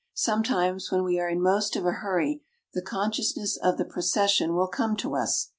Sometimes when we are in most of a hurry the consciousness of the procession will come to us.